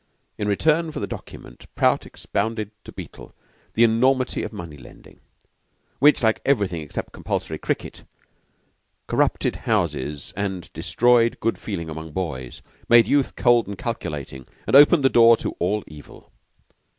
In return for the document, Prout expounded to Beetle the enormity of money lending, which, like everything except compulsory cricket, corrupted houses and destroyed good feeling among boys, made youth cold and calculating, and opened the door to all evil.